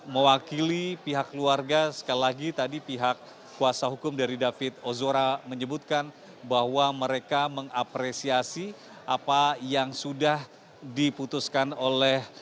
mewakili pihak keluarga sekali lagi tadi pihak kuasa hukum dari david ozora menyebutkan bahwa mereka mengapresiasi apa yang sudah diputuskan oleh